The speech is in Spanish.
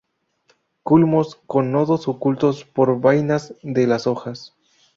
Culmos con nodos ocultos por vainas de las hojas.